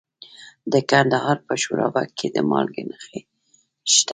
د کندهار په شورابک کې د مالګې نښې شته.